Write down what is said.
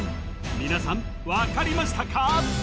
皆さん分かりましたか？